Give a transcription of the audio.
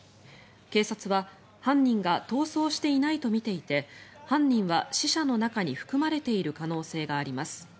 警察は犯人が逃走していないとみていて犯人は死者の中に含まれている可能性があります。